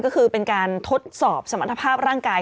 ก็คือเป็นการทดสอบสมรรถภาพร่างกาย